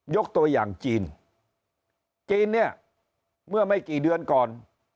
ยกตัวอย่างจีนจีนเนี่ยเมื่อไม่กี่เดือนก่อน